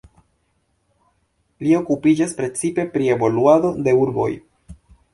Li okupiĝas precipe pri evoluado de urboj.